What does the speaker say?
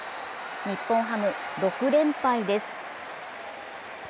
日本ハム６連敗です。